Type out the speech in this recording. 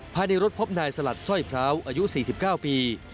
ภายในรถพบนายสลัดสร้อยพร้าวอายุ๔๙ปี